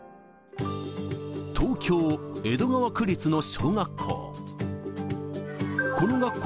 東京・江戸川区立の小学校。